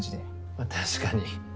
まあ確かに。